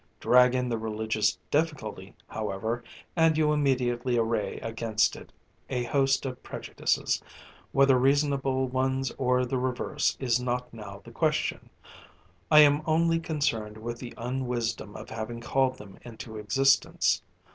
Drag in the religious difficulty, however, and you immediately array against it a host of prejudices, whether reasonable ones or the reverse is not now the question. I am only concerned with the unwisdom of having called them into existence.